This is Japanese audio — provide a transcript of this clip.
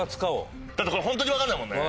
だってこれホントに分かんない。